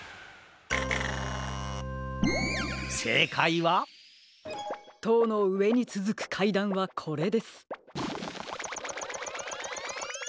せいかいはとうのうえにつづくかいだんはこれです。